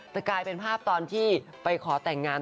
แต่กลายเป็นภาพตอนที่ไปขอแต่งงาน